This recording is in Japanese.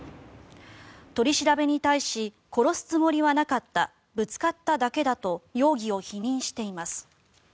取り調べに対し殺すつもりはなかったぶつかっただけだと容疑を否認しています。